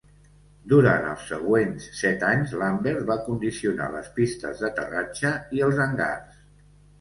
Durant els següents set anys Lambert va condicionar les pistes d'aterratge i els hangars.